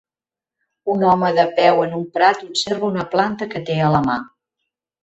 Un home de peu en un prat observa una planta que té a la mà.